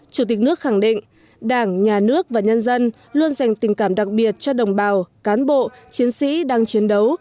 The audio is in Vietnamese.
chủ tịch nước khẳng định đảng nhà nước và nhân dân luôn dành tình cảm đặc biệt cho đồng bào cán bộ chiến sĩ đang chiến đấu